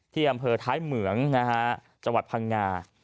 ที่อำเภอท้ายเหมืองจพังงา